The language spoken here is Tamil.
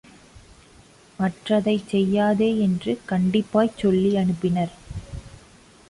மற்றதைச் செய்யாதே என்று கண்டிப்பாய்ச் சொல்லி அனுப்பினார்.